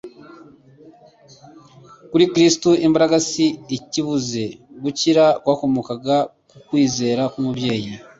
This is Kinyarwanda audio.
Kuri Kristo, imbaraga si ikibuze; gukira kwakomokaga ku kwizera k'umubyeyi.